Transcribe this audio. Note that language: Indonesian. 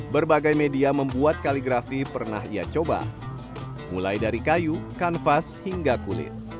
berbagai media membuat kaligrafi pernah ia coba mulai dari kayu kanvas hingga kulit